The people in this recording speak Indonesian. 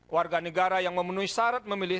warga negara yang memenuhi syarat memilih